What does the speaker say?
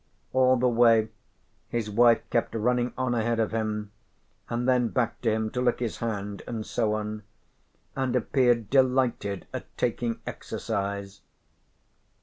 All the way his wife kept running on ahead of him, and then back to him to lick his hand and so on, and appeared delighted at taking exercise.